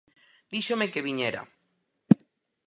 Díxome que viñera.